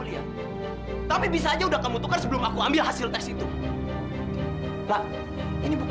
siapa yang teriak teriak